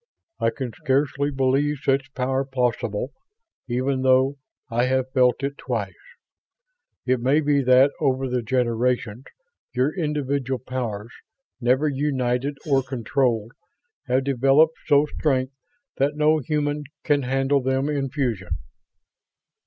I can scarcely believe such power possible, even though I have felt it twice. It may be that over the generations your individual powers, never united or controlled, have developed so strength that no human can handle them in fusion."